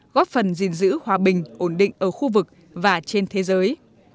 góp phần gìn giữ hòa bình ổn định ở khu vực và trên thế giới